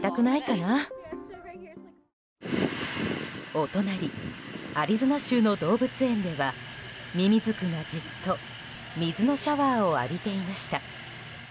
お隣アリゾナ州の動物園ではミミズクがじっと水のシャワーを浴びていました。